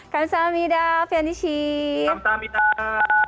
kamsahamnida alfie andi sheet